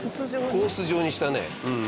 ホース状にしたね。